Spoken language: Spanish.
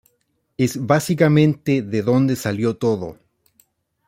Es básicamente de donde salió todo.